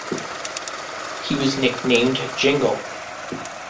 He was nicknamed "Jingle".